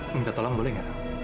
minta tolong boleh gak